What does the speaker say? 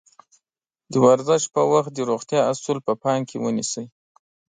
د ورزش پر وخت د روغتيا اَصول په پام کې ونيسئ.